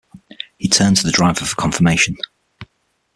He turned to the driver for confirmation.